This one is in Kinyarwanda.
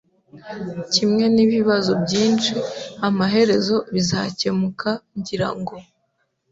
Kimwe nibibazo byinshi, amaherezo bizakemuka, ngira ngo.